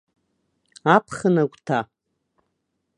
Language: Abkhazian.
Аԥхын агәҭа.